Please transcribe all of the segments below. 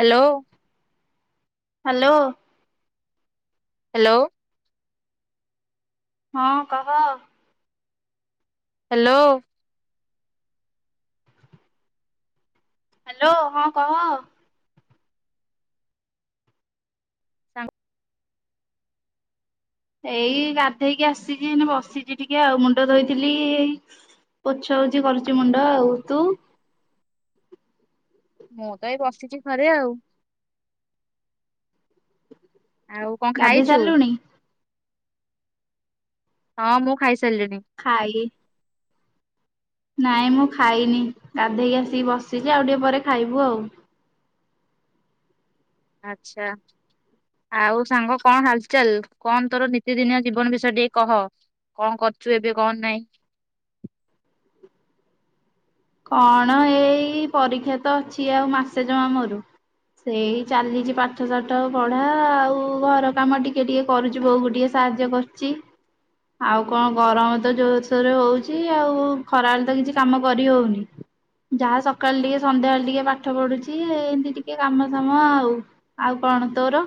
Hello. Hello. Hello. ହଁ କହ। Hello. Hello ହଁ କହ। ସାଙ୍ଗ ଏଇ ଗାଧେଇକି ଆସିଛି ବସିଛି ଟିକେ ଆଉ ମୁଣ୍ଡ ଧୋଇଥିଲି ପୋଛଉଛି କରୁଛି ମୁଣ୍ଡ ଆଉ ତୁ ମୁଁ ତ ଏ ବସିଛି ଘରେ ଆଉ। ଆଉ କଣ ଗାଧେଇ ଖାଇଛୁ? ସାରିଲୁଣି ହଁ ମୁଁ ଖାଇଛି। ଖାଇ ନାଇଁ ମୁଁ ଖାଇନି। ଗାଧେଇକି ଆସିକି ବସିଛି। ଆଉ ଟିକେ ପରେ ଖାଇବୁ ଆଉ। ଆଚ୍ଛା ଆଉ ସାଙ୍ଗ କଣ ହାଲ୍ ଚାଲ୍। କଣ ତୋର ନିତି ଦିନିଆ ଜୀବନ ବିଷୟ ଟିକେ କହ। କଣ କରୁଛୁ ଏବେ କଣ ନାଇଁ। କଣ ଏଇ ପରୀକ୍ଷା ତ ଅଛି ଆଉ ମାସେ ଜମା ମୋର। ସେଇ ଚାଲିଛି ପାଠ ସାଠ ପଢା ଆଉ ଘର କାମ ଟିକେ ଟିକେ କରୁଛି ବୋଉକୁ ଟିକେ ସାହାଯ୍ୟ କରୁଛି। ଆଉ କଣ ଗରମ ତ ଜୋରସୋରରେ ହଉଛି ଆଉ ଖରାବେଳେ ତ କିଛି କାମ କରି ହଉନି। ଯାହା ସକାଳେ ଟିକେ ସନ୍ଧ୍ୟାବେଳେ ଟିକେ ପାଠ ପଢୁଛି। ଏମିତି ଟିକେ କାମ ସାମ ଆଉ ଆଉ କଣ ତୋର।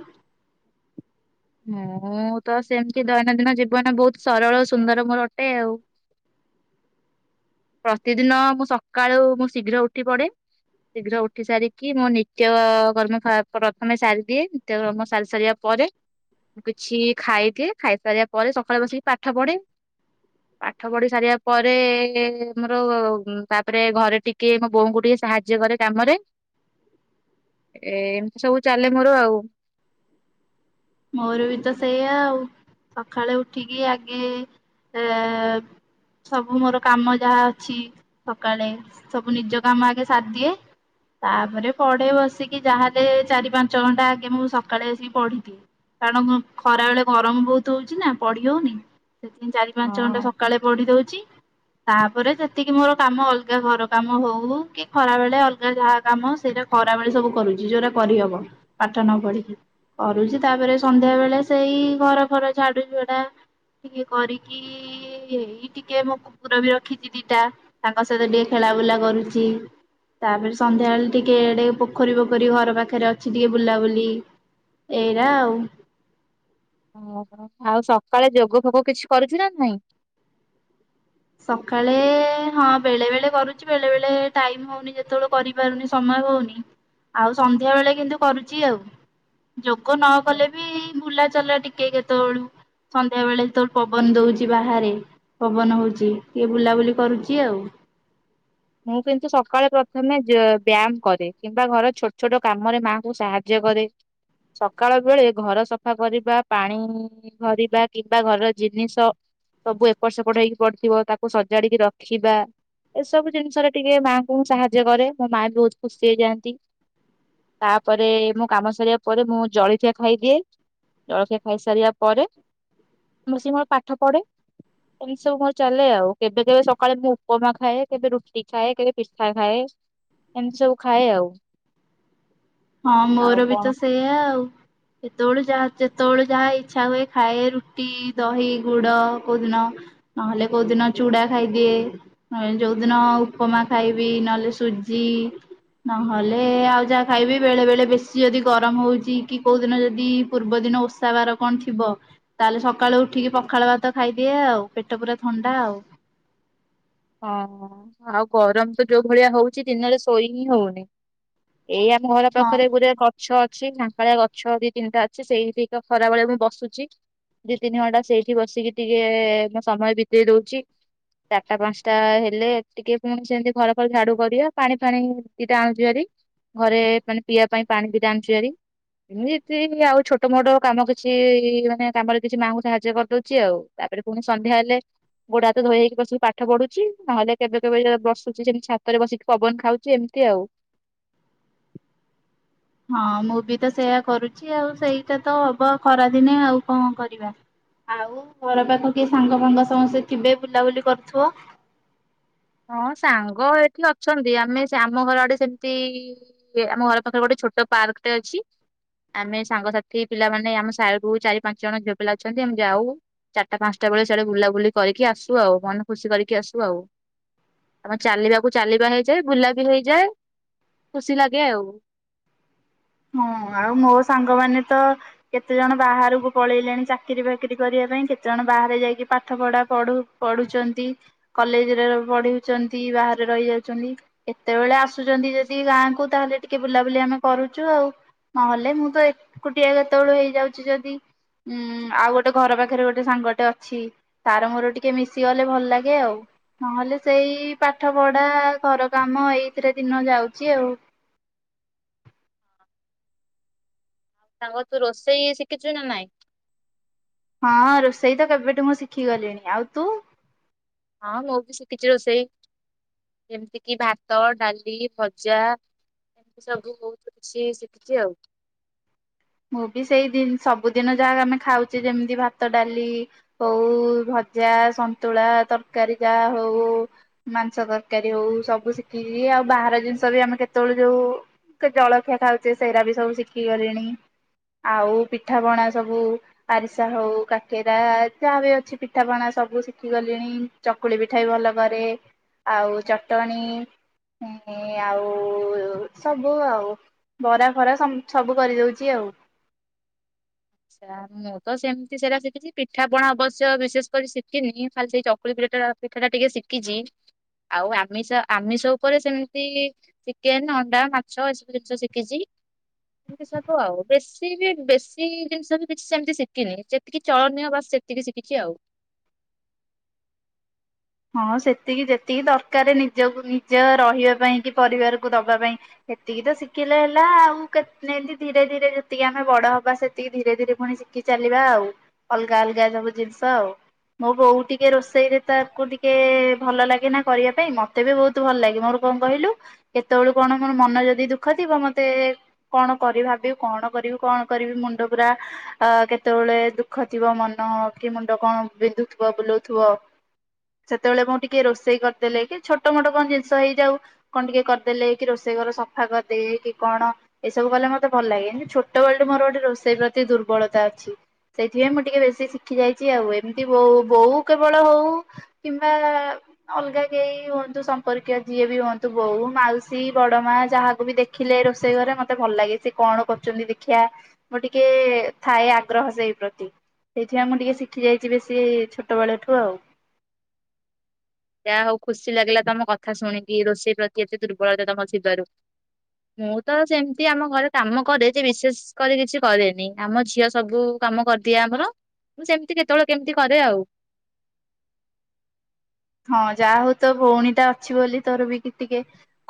ମୁଁ ତ ସେମିତି ଦୈନନ୍ଦିନ ଜୀବନ ବହୁତ ସରଳ ସୁନ୍ଦର ମୋର ଅଟେ ଆଉ। ପ୍ରତିଦିନ ମୁଁ ସକାଳୁ ମୁଁ ଶୀଘ୍ର ଉଠି ପଡେ। ଶୀଘ୍ର ଉଠି ସାରିକି ମୁଁ ନିତ୍ୟ କର୍ମ ଫା ପ୍ରଥମେ ସାରିଦିଏ। ନିତ୍ୟ କର୍ମ ସାରି ସାରିବା ପରେ ମୁଁ କିଛି ଖାଇଦିଏ। ଖାଇସାରିବା ପରେ ସକାଳୁ ବସିକି ପାଠ ପଢେ। ପାଠ ପଢି ସାରିବା ପରେ ଏ ତମର ତାପରେ ଘରେ ଟିକେ ମୋ ବୋଉଙ୍କୁ ଟିକେ ସାହାଯ୍ୟ କରେ କାମରେ। ଏ ଏମିତି ସବୁ ଚାଲେ ମୋର ଆଉ। ମୋର ବି ତ ସେଇଆ ଆଉ। ସକାଳେ ଉଠିକି ଆଗେ ଏ ସବୁ ମୋର କାମ ଯାହା ଅଛି ସକାଳେ ସବୁ ନିଜ କାମ ଆଗେ ସାରିଦିଏ। ତାପରେ ପଢେ ବସିକି। ଯାହାଲେ ଚାରି ପାଞ୍ଚ ଘଣ୍ଟା ଆଗେ ମୁଁ ସକାଳେ ଆସିକି ପଢି ଦିଏ। କାରଣ ଖରା ବେଳେ ଗରମ ବହୁତ ହଉଛି ନା ପଡି ହଉନି। ସେଥି ପାଇଁ ଚାରି ପାଞ୍ଚ ଘଣ୍ଟା ହଁ। ସକାଳେ ପଢି ଦଉଛି। ତାପରେ ଯେତିକି ମୋର କାମ ଅଲଗା ଘର କାମ ହଉ କି ଖରା ବେଳେ ଅଲଗା ଯାହା କାମ ସେଇଟା ଖରା ବେଳେ ସବୁ କରୁଛି ଯୋଉଟା କରିହବ। ପାଠ ନ ପଢିକି କରୁଛି। ତାପରେ ସନ୍ଧ୍ୟା ବେଳେ ସେଇ ଘର ଫର ଝାଡୁ ଝୁଡା ଟିକେ କରିକି ଏଇ ଟିକେ ମୋ କୁକୁର ବି ରଖିଛି ଦିଟା ତାଙ୍କ ସହିତ ଟିକେ ଖେଳା ବୁଲା କରୁଛି। ତାପରେ ସନ୍ଧ୍ୟା ବେଳେ ଟିକେ ଟିକେ ପୋଖରୀ ପୋଖରୀ ଘର ପାଖରେ ଅଛି ଟିକେ ବୁଲାବୁଲି ଏ ଏୟା ଆଉ। ଓ ହୋ ଆଉ ସକାଳେ ଯୋଗ ଫୋଗ କିଛି କରୁଛୁ ନା ନାଇଁ। ସକାଳେ ହଁ ବେଳେ ବେଳେ କରୁଛି। ବେଳେ ବଳେ ଟାଇମ୍ ହଉନି ଯେତେବେଳେ କରିପାରୁନି ସମୟ ହଉନି। ଆଉ ସନ୍ଧ୍ୟାବେଳେ କିନ୍ତୁ କରୁଛି ଆଉ। ଯୋଗ ନ କଲେ ବି ବୁଲା ଚଲା ଟିକେ କେତେବେଳୁ ସନ୍ଧ୍ୟା ବେଳେ ଯେତେବେଳେ ପବନ ଦଉଛି ବାହାରେ ପବନ ହଉଛି। କିଏ ବୁଲାବୁଲି କରୁଛି ଆଉ। ମୁଁ କିନ୍ତୁ ସକାଳେ ପ୍ରଥମେ ଯେ ବ୍ୟାୟାମ କରେ। କିମ୍ବା ଘର ଛୋଟ ଛୋଟ କାମରେ ମାଆଙ୍କୁ ସାହାଯ୍ୟ କରେ। ସକାଳ ବେଳେ ଘର ସଫା କରିବା ପାଣି ଭରିବା କିମ୍ବା ଘରର ଜିନିଷ ସବୁ ଏପଟ ସେପଟ ହେଇକି ପଡିଥିବ ତାକୁ ସଜାଡିକି ରଖିବା। ଏସବୁ ଜିନିଷରେ ଟିକେ ମାଙ୍କୁ ମୁଁ ସାହାଯ୍ୟ କରେ। ମୋ ମାଆ ବି ବହୁତ ଖୁସି ହେଇ ଯାଆଁନ୍ତି। ତାପରେ ମୁଁ କାମ ସାରିବା ପରେ ମୁଁ ଜଳଖିଆ ଖାଇଦିଏ। ଜଳଖିଆ ଖାଇସାରିବା ପରେ ମୁଁ ବସି ମୋର ପାଠ ପଢେ। ଏମିତି ସବୁ ମୋର ଚାଲେ ଆଉ। କେବେ କେବେ ସକାଳେ ମୁଁ ଉପମା ଖାଏ। କେବେ ରୁଟି ଖାଏ କେବେ ପିଠା ଖାଏ ଏମିତି ସବୁ ଖାଏ ଆଉ। ହଁ ଆଉ ମୋର ବି କଣ ତ ସେଇୟା ଆଉ। ଯେତେବେଳେ ଯାହା ଯେତେବେଳେ ଯାହା ଇଚ୍ଛା ହୁଏ ଖାଏ। ରୁଟି ଦହି ଗୁଡ କୋଉଦିନ ନହେଲେ କୋଉଦିନ ଚୂଡା ଖାଇଦିଏ। ନହେଲେ ଯୋଉଦିନ ଉପମା ଖାଇବି। ନହେଲେ ସୁଜି ନହେଲେ ଆଉ ଯାହା ଖାଇବି। ବେଳେ ବେଳେ ବେଶୀ ଯଦି ଗରମ ହଉଛି କି କୋଉଦିନ ଯଦି ପୂର୍ବ ଦିନ ଓଷା ବାର କଣ ଥିବ ତାହେଲେ ସକାଳୁ ଉଠିକି ପଖାଳ ଭାତ ଖାଇଦିଏ ଆଉ। ପେଟ ପୁରା ଥଣ୍ଡା ଆଉ। ହଁ ଆଉ ଗରମ ତ ଯୋଉ ଭଳିଆ ହଉଛି ଦିନରେ ଶୋଇ ହିଁ ହଉନି। ଏଇ ଆମ ଘର ହଁ। ପାଖରେ ଗୁରେ କ ଗଛ ଅଛି ଝାଙ୍କାଳିଆ ଗଛ ଦି ତିନିଟା ଅଛି। ସେଇଠିକା ଖରାବେେଳେ ମୁଁ ବସୁଛି। ଦି ତିନି ଘଣ୍ଟା ସେଇଠି ବସିକି ଟିକେ ମୁଁ ସମୟ ବିତେଇ ଦଉଛି। ଚାରଟା ପାଞ୍ଚଟା ତାହେଲେ ଟିକେ ପୁଣି ସେମିତି ଘର ଫର ଝାଡୁ କରିବା। ପାଣି ଫାଣି ଦିଟା ଆଣୁଛୁ ଆରିି। ଘରେ ମାନେ ପିଇବା ପାଇଁ ପାଣି ଦିଟା ଆଣୁଛୁ ଆରି। ଏମିତି ଆଉ ଛୋଟ ମୋଟ କାମ କିଛି ମାନେ କାମରେ କିଛି ମାଆଙ୍କୁ ସାହାଯ୍ୟ କରିଦେଉଛି ଆଉ। ତାପରେ ପୁଣି ସନ୍ଧ୍ୟା ହେଲେ ଗୋଡ ହାତ ଧୋଇ ହେଇକି ବସିକି ପାଠ ପଢୁଛି। ନହେଲେ କେବେ କେବେ ଯେତେବେଳେ ବସୁଛି ସେମିତି ଛାତରେ ବସିକି ପବନ ଖାଉଛି ଏମିତି ଆଉ। ହଁ ମୁଁ ବି ତ ସେଇୟା କରୁଛି ଆଉ। ସେଇଟା ତ ହବ ଖରାଦିନେ ଆଉ କଣ କରିବା। ଆଉ ଘର ପାଖ କେହି ସାଙ୍ଗ ଫାଙ୍ଗ ସମସ୍ତେ ଥିବେ ବୁଲାବୁଲି କରୁଥିବ। ହଁ ସାଙ୍ଗ ଏଠି ଅଛନ୍ତି। ଆମେ ଆମ ଘର ଆଡେ ସେମିତି ଆମ ଘର ପାଖରେ ଗୋଟେ ଛୋଟ ପାର୍କଟେ ଅଛି। ଆମେ ସାଙ୍ଗସାଥି ପିଲାମାନେ ଆମେ ସାରୁ ଚାରି ପାଞ୍ଚ ଜଣ ଝିଅ ପିଲା ଅଛନ୍ତି। ଆମେ ଯାଉ ଚାରିଟା ପାଞ୍ଚଟା ବେଳେ ସେଆଡେ ବୁଲାବୁଲି କରିକି ଆସୁ ଆଉ। ମନ ଖୁସି କରିକି ଆସୁ ଆଉ। ଆମ ଚାଲିବାକୁ ଚାଲିବା ହେଇଯାଏ ବୁଲା ବିି ହେଇଯାଏ। ଖୁସି ଲାଗେ ଆଉ। ହଁ ଆଉ ମୋ ସାଙ୍ଗମାନେ ତ କେତେଜଣ ବାହାରକୁ ପଳେଇଲେଣି ଚାକିରି ଫାକିରି କରିବା ପାଇଁ। କେତେଜଣ ବାହାରେ ଯାଇକି ପାଠ ପଢା ପଢ ପଢୁଛନ୍ତି। କଲେଜରେ ପଢୁଛନ୍ତି ବାହାରେ ରହିଯାଉଛନ୍ତି। କେତେବେଳେ ଆସୁଛନ୍ତି ଯଦି ଗାଁକୁ ତାହେଲେ ଟିକେ ବୁଲାବୁଲି ଆମେ କରୁ। ଚୁ ଆଉ ନହେଲେ ମୁଁ ତ ଏକୁଟିଆ କେତେବେଳୁ ହେଇଯାଉଛି ଯଦି ଉଁ ଆଉ ଗୋଟେ ଘର ପାଖେରେ ଗୋଟେ ସାଙ୍ଗଟେ ଅଛି। ତାର ମୋର ଟିକେ ମିଶିଗଲେ ଭଲ ଲାଗେ ଆଉ। ନହେଲେ ସେଇ ପାଠ ପଢା ଘର କାମ ଏଇଥିରେ ଦିନ ଯାଉଛି ଆଉ। ସାଙ୍ଗ ତୁ ରୋଷେଇ ଶିଖିଛୁ ନା ନାଇଁ? ହଁ ରୋଷେଇ ତ କେବେଠୁ ମୁଁ ଶିଖି ଗଲିଣି। ଆଉ ତୁ? ହଁ ମୁଁ ବି ଶିଖିଛି ରୋଷେଇ। ଯେମିତି କିି ଭାତ ଡାଲି ଭଜା ଏମିତି ସବୁ ବହୁତ କିଛି ଶିଖିଛି ଆଉ। ମୁଁ ବି ସେଇ ଜି ସବୁଦିନ ଯାହା ଆମେ ଖାଉଛେ ଯେମିତି ଭାତ ଡାଲି ହଉ ଭଜା ସନ୍ତୁଳା ତରକାରୀ ଯାହା ହଉ ମାଂସ ତରକାରୀ ହଉ ସବୁ ଶିଖିଛି। ଆଉ ବାହାର ଜିନିଷ ବି ଆମେ କେତେବେଳେ ଯୋଉ ଜଳଖିଆ ଖାଉଛେ ସେରା ବି ସବୁ ଶିଖିଗଲିଣି। ଆଉ ପିଠାପଣା ସବୁ ଆରିସା ହଉ କାକେରା ଯାହା ବି ଅଛି ପିଠା ପଣା ସବୁ ଶିଖିଗଲିଣି। ଚକୁଳି ପିଠା ବି ଭଲ କରେ। ଆଉ ଚଟଣି ଆଉ ସବୁ ଆଉ ବରା ଫରା ସବୁ କରିଦଉଛି ଆଉ। ମୁଁ ତ ସେମିତି ସେରା ଶିଖିଛି ପିଠାପଣା ଅବଶ୍ୟ ବିଶେଷ କରି ଶିଖିନି। ମୁଁ ଖାଲି ସେଇ ଚକୁଳି ପିଠା ପିଠାଟା ଟିକେ ଶିଖିଛି। ଆଉ ଆମିଷ ଆମିଷ ଉପରେ ସେମିତି ଚିକେନ୍ ଅଣ୍ଡା ମାଛ ଏସବୁ ଜିନିଷ ଶିଖିଛି। ଏମତି ସବୁ ଆଉ। ବେଶି ବି ବେଶି ଜିନିଷ ବି କିଛି ସେମିତି ଶିଖିନି। ଯେତିକି ଚଳନୀୟ ବାସ୍ ସେତିକି ଶିଖିଛି ଆଉ। ହଁ ସେତିକି ଯେତିକି ଦରକାରେ ନିଜକୁ ନିଜ ରହିବା ପାଇଁ କି ପରିବାରକୁ ଦବା ପାଇଁ। ସେତିକି ତ ଶିଖିଲେ ହେଲା ଆଉ। କେ ଧୀରେ ଧୀରେ ଯେତିକି ଆମେ ବଡ ହବା ସେତିକି ଧୀରେ ଧୀରେ ପୁଣି ଶିଖି ଚାଲିବା ଆଉ। ଅଲଗା ଅଲଗା ସବୁ ଜିନିଷ ଆଉ। ମୋ ବୋଉ ଟି ରୋଷେଇରେ ତାକୁ ଟି କେ ଭଲ ଲାଗେ ନା କରିବା ପାଇଁ ମତେ ବି ବହୁତ ଭଲ ଲାଗେ। ମୋର କଣ କହିଲୁ କେତେବେଳୁ କଣ ମୋର ମନ ଯଦି ଦୁଃଖ ଥିବ ମତେ କଣ କରି ଭାବିବୁ କଣ କରିବୁ କଣ କରିବି ମୁଣ୍ଡ ପୁରା କେତେବେଳେ ଦୁଃଖ ଥିବ ମନ କି ମୁଣ୍ଡ କଣ ବିନ୍ଧୁଥିବ ବୁଲଉଥିବ। ସେତେବେଳେ ମୁଁ ଟିକେ ରୋଷେଇ କରିଦେଲେ କି ଛୋଟ ମୋଟ କଣ ଜିନିଷ ହେଇଯାଉ କଣ ଟିକେ କରିଦେ କି ରୋଷେଇ ଘର ସଫା କରିଦେଲେ କି କଣ ଏସବୁ କଲେ ମତେ ଭଲ ଲାଗେ। ଏନ୍ତି ଛୋଟବେଳଠୁ ମୋର ଗୋଟେ ରୋଷେଇ ପ୍ରତି ଦୁର୍ବଳତା ଅଛି। ସେଇଥିପାଇଁ ମୁଁ ଟିକେ ବେଶି ଶିଖି ଯାଇଛି ଆଉ। ଏମିତି ବୋଉ ବୋଉ କେବଳ ହଉ କିମ୍ବା ଅଲଗା କେହି ହୁଅନ୍ତୁ ସମ୍ପର୍କୀୟ ଯିଏ ବି ହୁଅନ୍ତୁ ବୋଉ, ମାଉସୀ, ବଡମା ଯାହାକୁ ବି ଦେଖିଲେ ରୋଷେଇ ଘରେ ମତେ ଭଲ ଲାଗେ। ସେ କଣ କରୁଛନ୍ତି ଦେଖିବା ମୋର ଟିକେ ଥାଏ ଆଗ୍ରହ ସେଇ ପ୍ରତି ସେଇଥିପାଇଁ ମୁଁ ଟିକେ ଶିଖି ଯାଇଛି ବେଶୀ ଛୋଟବେେଳଠୁ ଆଉ। ଆଉ ଖୁସି ଲାଗିଲା ତମ କଥା ଶୁଣିକି ରୋଷେଇ ପ୍ରତି ଏତେ ଦୁର୍ବଳତା ତମ ଥିବାରୁ ମୁଁ ତ ସେମିତି ଆମ ଘରେ କାମ କରେ ଯେ ବିଶେଷ କରି କିଛି କରେନି ଆମ ଝିଅ ସବୁ କାମ କରିଦିଏ ଆମର ସେମିତି କେତେବେଳେ କେମିତି କରେ ଆଉ। ହଁ ଯାହା ହଉ ତୋ ଭଉଣୀଟା ଅଛି ବୋଲି ତୋର ବି ଟିକେ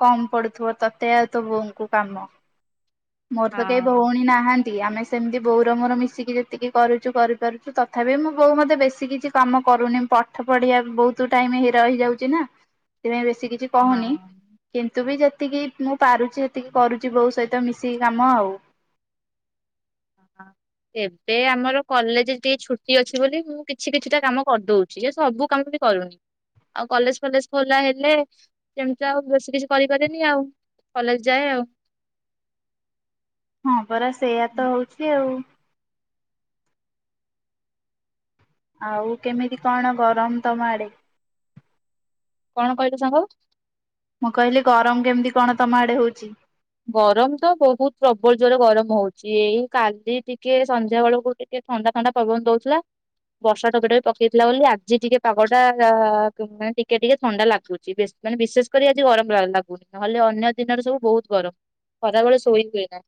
କମ୍ ପଡୁଥିବ ତତେ ଆଉ ତୋ ବୋଉଙ୍କୁ କାମ। ମୋର ତ କେହି ହଁ ଭଉଣୀ ନାହାନ୍ତି। ଆମେ ସେମିତି ବୋଉର ମୋର ମିଶିକି ଯେତିକି କରୁଛୁ କରିପାରୁଛୁ ତଥାପି ମୁଁ ବୋଉ ମୋତେ ବେଶୀ କିଛି କାମ କରୁନି ପାଠ ପଢ଼ିବା ବହୁତ ଟୁ ଟାଇମ୍ ହେଇ ରହିଯାଉଛି ନା ସେଥିପା ସେ କିଛି କହୁନି ହଁ। କିନ୍ତୁ ବି ଯେ ଯେତିକି ମୁଁ ପାରୁଛି ସେତିକି କରୁଛି ବୋଉ ସହିତ ମିଶିକି କାମ ଆଉ। ଏବେ ଆମର କଲେଜ ଟିକେ ଛୁଟି ଅଛି ବୋଲି ମୁଁ କିଛି କିଛିଟା କାମ କରିଦଉଛି। ଯେ ସବୁ କାମ ବି କରୁନି ଆଉ କଲେଜ ଫଲେଜ ଖୋଲା ହେଲେ ସେମିତି ଆଉ ବେଶୀ କିଛି କରିପାରେନି, ଆଉ କଲେଜ ଯାଏ ଆଉ। ହଁ ପରା ସେଇୟା ତ ହଉଛି ଆଉ। ଆଉ କେମିତି କଣ ଗରମ ତମ ଆଡେ। କଣ କହିଲୁ ସାଙ୍ଗ? ମୁଁ କହିଲି ଗରମ କେମତି କଣ ତମ ଆଡେ ହଉଚି? ଗରମ ତ ବହୁତ ପ୍ରବଳ ଜୋରେ ଗରମ ହୋଉଚି, ଏଇ କାଲି ଟିକେ ସନ୍ଧ୍ୟା ବେଳକୁ ଟିକେ ଥଣ୍ଡା ଥଣ୍ଡା ପବନ ଦଉଥିଲା, ବର୍ଷା ଟୋପେ ଟୋପେ ପକେଇଥିଲା ବୋଲି ଆଜି ଟିକେ ପାଗଟା ଆ ମାନେ ଟିକେ ଟିକେ ଥଣ୍ଡା ଲାଗୁଚି, ବେଶ ମାନେ ବିଶେଷ କରି ଆଜି ଗରମ ଲା ଲାଗୁନି ନହେଲେ ଅନ୍ୟ ଦିନରେ ସବୁ ବୋହୁତ ଗରମ। ଖରାବେଳେ ଶୋଇ ହୁଏନା।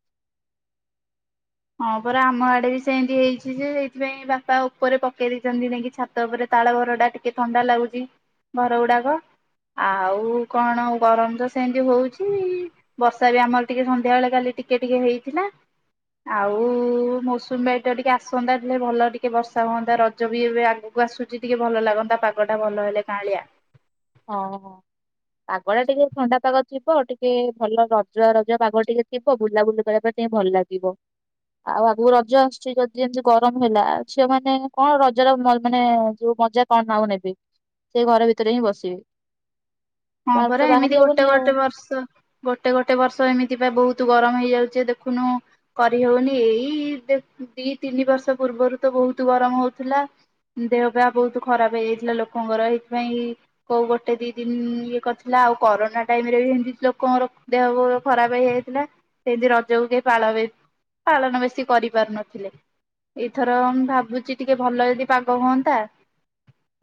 ହଁ ପରା ଆମ ଆଡେ ବି ସେମତି ହେଇଚି ଯେ ସେଇଥିପାଇଁ ବାପା ଉପରେ ପକେଇ ଦେଇଚନ୍ତି ନେଇକି ଛାତ ଉପରେ ତାଳବରଡ଼ା ଟିକେ ଥଣ୍ଡା ଲାଗୁଚି, ଘରଗୁଡାକ ଆଉ କଣ ଗରମ ତ ସେମତି ହୋଉଛି, ବର୍ଷା ବି ଆମର ଟିକେ ସନ୍ଧ୍ୟାବେଳେ କାଲି ଟିକେ ଟିକେ ହେଇଥିଲା। ଆଉ ମୌସୁମୀ ବାୟୁ ଟା ଟିକେ ଆସନ୍ତା ଯେ ଭଲ ଟିକେ ବର୍ଷା ହୁଅନ୍ତା ରଜ ବି ଏବେ ଆଗୁକୁ ଆସୁଚି ଟିକେ ଭଲ ଲାଗନ୍ତା ପାଗଟା ଭଲ ହେଲେ କାଆଁଳିଆ। ହଁ ପାଗଟା ଟିକେ ଥଣ୍ଡାପାଗ ଥିବ ଟିକେ ଭଲ ରଜୁଆ ରଜୁଆ ପାଗ ଟିକେ ଥିବ, ବୁଲାବୁଲି କରିବା ପାଇଁ ଟିକେ ଭଲ ଲାଗିବ, ଆଉ ଆଗୁକୁ ରଜ ଆସୁଛି, ଯଦି ଏମତି ଗରମ ହେଲା ଝିଅ ମାନେ କଣ ରଜର ମାନେ ଯୋଉ ମଜା କଣ ଆଉ ନେବେ, ସେ ଘର ଭିତରେ ହିଁ ବ [inaudible] ହଁ ପରା ଏମିତି ବାହାରି ହବନି ଗୋଟେ ଆଉ ଗୋଟେ ବର୍ଷ ଗୋଟେ ଗୋଟେ ବର୍ଷ ଏମିତି ବା ବହୁତ ଗରମ ହେଇଯାଉ ଯେ ଦେଖୁନୁ କରି ହଉନି, ଏଇ ଦେ ଦି ତିନି ବର୍ଷ ପୂର୍ବରୁ ତ ବୋହୁତ ଗରମ ହୋଉଥିଲା, ଦେହ ପା ବୋହୁତ ଖରାପ ହେଇଯାଇଥିଲା ଲୋକଙ୍କର ଏଇଥିପାଇଁ କୋଉ ଗୋଟେ ଦି ଦିନ ଇଏ କରିଥିଲା ଆଉ କରୋନା ଟାଇମ ରେ ବି ଏମିତି ଲୋକଙ୍କର ଦେହ ଖରାପ ହେଇଯାଇଥିଲା, ସେମତି ରଜକୁ କେ ପାଳ ବି ପାଳନ ବେଶୀ କରିପାରୁନଥିଲେ, ଏଇଥର ମୁ ଭାବୁଚି ଟିକେ ଭଲ ଯଦି ପାଗ ହୁଅନ୍ତା,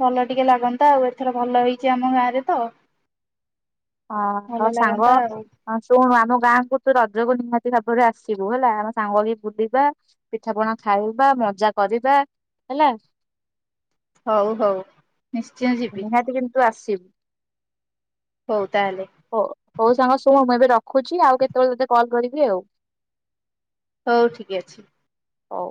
ଭଲ ଟିକେ ଲାଗନ୍ତା ଆଉ ଏଥର ଭଲ ହେଇଛି ଆମ ଗାଁରେ ତ। ହଁ ଭଲ ଆଉ ସାଙ୍ଗ ଲାଗନ୍ତା ଆଉ। ହଁ ଶୁଣୁ ଆମ ଗାଁ କୁ ତୁ ରଜକୁ ନିହାତି ଭା ପରେ ଆସିବୁ ହେଲା, ଆମେ ସାଙ୍ଗ ହେଇ ବୁଲିବା ପିଠାପଣା ଖାଇବା, ମଜା କରିବା ହେଲା। ହଉ ହଉ। ନିଶ୍ଚୟ ଯିବି ନିହାତି କିନ୍ତୁ ଆସ [inaudible] ହଉ ତାହେଲେ ହୋ ହଉ ସାଙ୍ଗ ଶୁଣୁ ମୁଁ ଏବେ ରଖୁଛି ଆଉ କେତେବେଳେ ତତେ କଲ କରିବି ଆଉ। ହଉ ଠିକ ଅଛି। ହଉ।